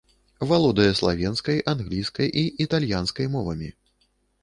Валодае славенскай, англійскай і італьянскай мовамі.